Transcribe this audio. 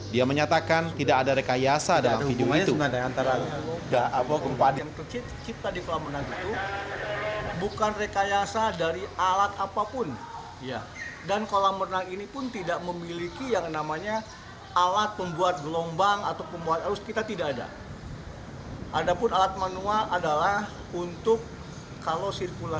dia menyatakan tidak ada rekayasa dalam video itu